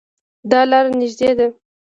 دا لار نږدې ده